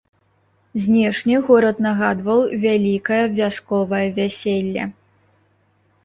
Знешне горад нагадваў вялікае вясковае вяселле.